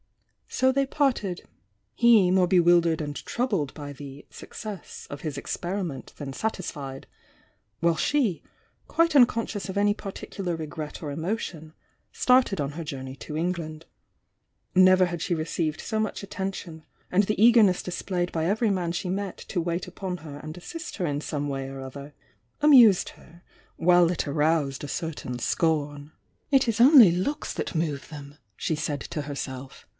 So they parted,— he more bewildered and troubled by the "success" of his experiment than satisfied,— while she, quite unconscious of any particular regret or emotion, started on her journey to England. Never had she received so much attention, and the eagerness displayed by every man she met to wait upon her and assist her in some way or other, amused her while it aroused a certain scorn. THE YOUNG DIANA 828 "It is only looks that move them!" she said to herself.